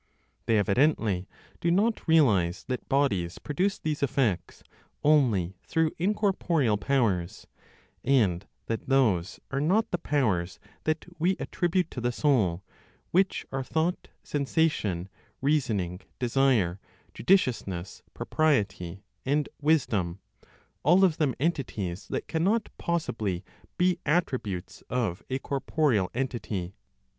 They evidently do not realize that bodies produce these effects only through incorporeal powers, and that those are not the powers that we attribute to the soul, which are thought, sensation, reasoning, desire, judiciousness, propriety and wisdom, all of them entities that cannot possible be attributes of a corporeal entity.